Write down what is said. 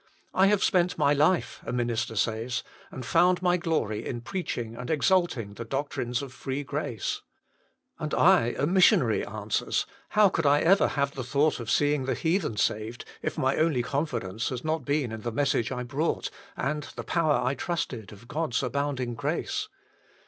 " I have spent my life," a minister says, "and found my glory in preaching and exalting the doctrines of free grace." " And I," a missionary answers, " how could I ever have thought of seeing the heathen saved, if my only confidence had not been in the message I brought, and the power I trusted, of God s abounding grace."